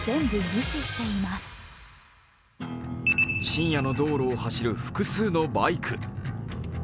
深夜の道路を走る複数のバイク。